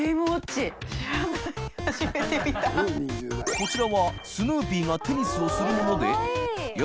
海舛蕕スヌーピーがテニスをするもので磴